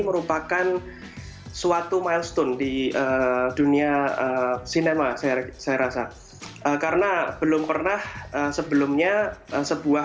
merupakan suatu milestone di dunia sinema saya rasa karena belum pernah sebelumnya sebuah